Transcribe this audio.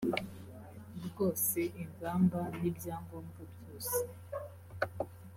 bwose ingamba n ibya ngombwa byose